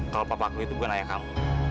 kalau papa aku itu bukan ayah kamu